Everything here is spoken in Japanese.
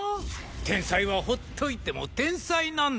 天才はほっといても天才なんだから。